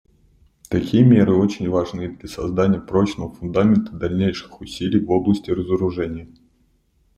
Такие меры очень важны для создания прочного фундамента дальнейших усилий в области разоружения.